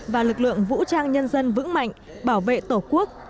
và lực lượng vũ trang nhân dân vững mạnh bảo vệ tổ quốc